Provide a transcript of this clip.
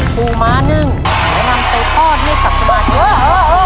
ภูมิมาหนึ่งจะนำไปต้อนเทียบกับสมาชิกนิดหนึ่ง